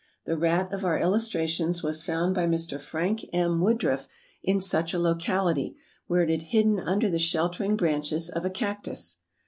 The rat of our illustration was found by Mr. Frank M. Woodruff in such a locality, where it had hidden under the sheltering branches of a cactus.